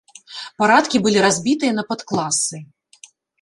Парадкі былі разбітыя на падкласы.